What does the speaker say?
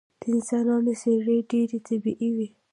د انسانانو څیرې ډیرې طبیعي وې